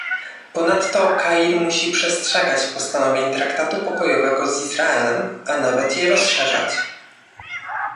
Ponadto Kair musi przestrzegać postanowień traktatu pokojowego z Izraelem, a nawet je rozszerzać